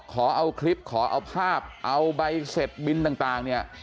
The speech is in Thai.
ขอเอาคลิปขอเอาภาพเอาใบเสร็จบินต่างเนี่ย